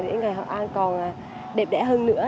để ngày hội an còn đẹp đẽ hơn nữa